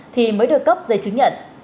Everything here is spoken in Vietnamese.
thì mới được cấp giấy chứng nhận